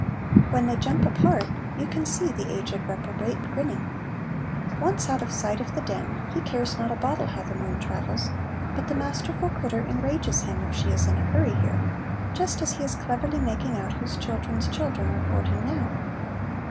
When they jump apart you can see the aged reprobate grinning. Once out of sight of the den, he cares not a boddle how the moon travels, but the masterful crittur enrages him if she is in a hurry here, just as he is cleverly making out whose children's children are courting now.